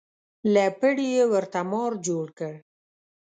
له پړي یې ورته مار جوړ کړ.